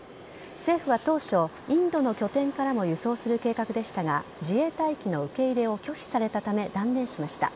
政府は当初、インドの拠点からも輸送する計画でしたが自衛隊機の受け入れを拒否されたため断念しました。